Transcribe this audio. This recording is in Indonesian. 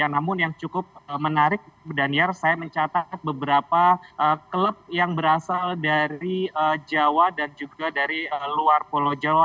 namun yang cukup menarik daniar saya mencatat beberapa klub yang berasal dari jawa dan juga dari luar pulau jawa